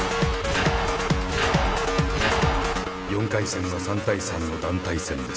４回戦は３対３の団体戦です。